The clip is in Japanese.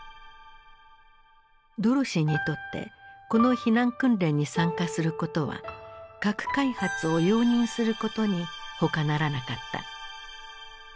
ドロシーにとってこの避難訓練に参加することは核開発を容認することにほかならなかった。